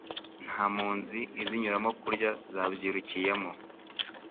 Nta mpunzi izinyuramo Kurya zabyirukiyemo